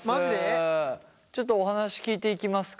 ちょっとお話聞いていきますか。